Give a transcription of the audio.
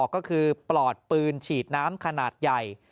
ก็คือปลอดปืนฉีดน้ำขนาดใหญ่